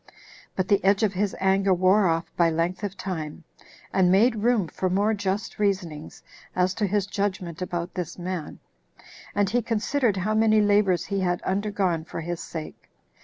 But the edge of his anger wore off by length of time, and made room for more just reasonings as to his judgment about this man; and he considered how many labors he had undergone for his sake.